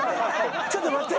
ちょっと待って。